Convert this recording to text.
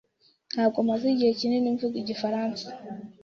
Ntabwo maze igihe kinini mvuga igifaransa.